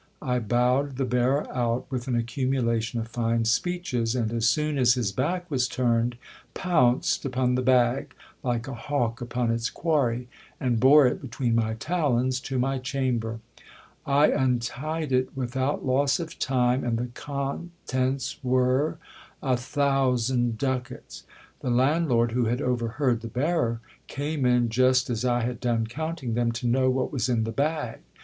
I bowed the bearer out, with an accumulation of fine speeches ; and, as soon as his back was turned, pounced upon the bag, like a hawk upon its quarry, and bore it between my talons to my chamber. I untied it without loss of time, and the contents were ;— a thousand ducats ! The landlord who had overheard the bearer, came in just as I had done counting them, to know what was in the bag.